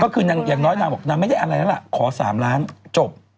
ก็คือนักน้อยน้ำนั้นขอ๓ล้านจบ